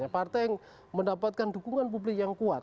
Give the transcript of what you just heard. partai yang mendapatkan dukungan publik yang kuat